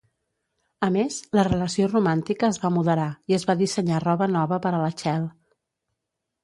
A més, la relació romàntica es va moderar i es va dissenyar roba nova per a la Chel.